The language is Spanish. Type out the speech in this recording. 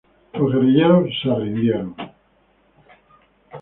Los guerrilleros se rindieron.